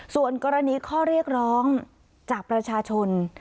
ส่วนกรณีข้อเรียกร้องจากประชาชน